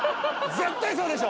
絶対そうでしょ！